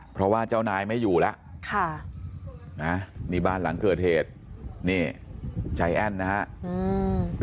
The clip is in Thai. เพราะว่าเจ้านายไม่อยู่แล้วค่ะนะนี่บ้านหลังเกิดเหตุนี่ใจแอ้นนะฮะอืม